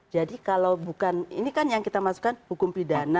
jadi kalau bukan ini kan yang kita masukkan hukum pidana